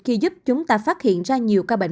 khi giúp chúng ta phát hiện ra nhiều ca bệnh